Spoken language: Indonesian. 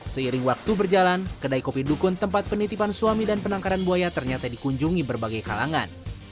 seiring waktu berjalan kedai kopi dukun tempat penitipan suami dan penangkaran buaya ternyata dikunjungi berbagai kalangan